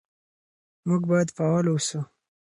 موږ باید فعال اوسو.